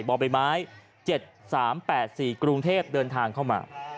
วนแบบมาย๗๓๘๔กรุงเทพฯเดินทางเข้ามา